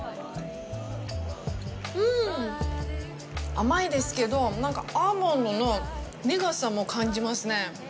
うん、甘いですけど、アーモンドの苦さも感じますね。